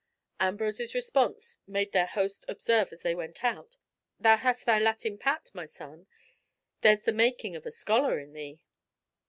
Ambrose's responses made their host observe as they went out, "Thou hast thy Latin pat, my son, there's the making of a scholar in thee."